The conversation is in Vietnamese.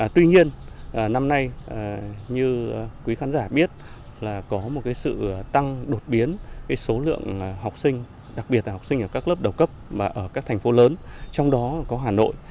tuy nhiên năm nay như quý khán giả biết là có một sự tăng đột biến số lượng học sinh đặc biệt là học sinh ở các lớp đầu cấp mà ở các thành phố lớn trong đó có hà nội